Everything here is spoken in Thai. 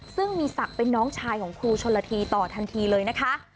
ซึ่งมีศักดิ์เป็นน้องชายของครูชนละทีต่อทันทีเลยนะคะ